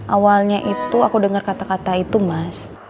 awalnya itu aku dengar kata kata itu mas